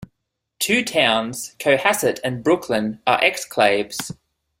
Two towns, Cohasset and Brookline, are exclaves.